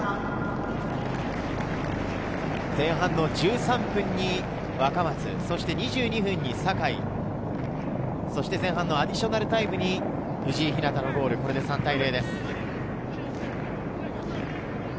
前半１３分に若松、２２分に坂井、アディショナルタイムに藤井日向のゴール、これで３対０です。